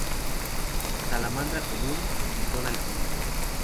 Salamandra común, tritón alpino.